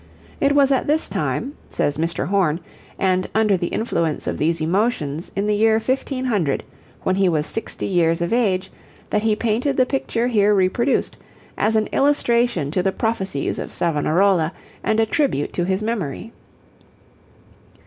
It was at this time, says Mr. Horne, and under the influence of these emotions, in the year 1500, when he was sixty years of age, that he painted the picture here reproduced, as an illustration to the prophecies of Savonarola, and a tribute to his memory.